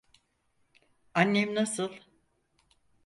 Annem nasıl?